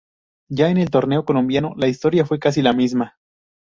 Ya en el torneo colombiano, la historia fue casi la misma.